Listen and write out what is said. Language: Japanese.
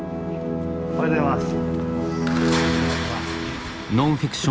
おはようございます。